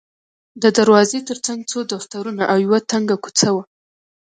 د دروازې ترڅنګ څو دفترونه او یوه تنګه کوڅه وه.